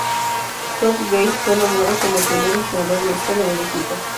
Rob Gale fue nombrado como el primer entrenador en la historia del equipo.